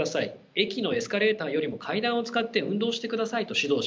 駅のエスカレーターよりも階段を使って運動してくださいと指導します。